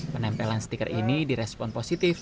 penempelan stiker ini direspon positif